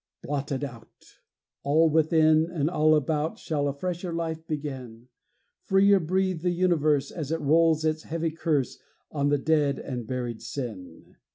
Blotted out! All within and all about Shall a fresher life begin; Freer breathe the universe As it rolls its heavy curse On the dead and buried sin!